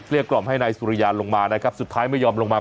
กล่อมให้นายสุริยาลงมานะครับสุดท้ายไม่ยอมลงมา